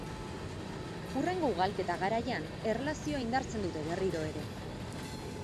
Hurrengo ugalketa garaian erlazioa indartzen dute berriro ere.